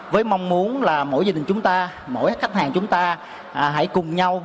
với mong muốn là mỗi gia đình chúng ta mỗi khách hàng chúng ta hãy cùng nhau